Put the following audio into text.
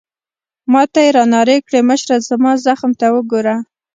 ما ته يې رانارې کړې: مشره، زما زخم ته وګوره.